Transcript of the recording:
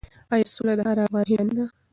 آیا سوله د هر افغان هیله نه ده؟